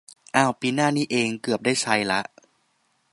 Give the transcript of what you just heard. อ้าว ปีหน้านี้เอง เกือบได้ใช้ละ